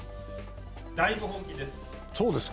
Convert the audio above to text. だいぶ本気です。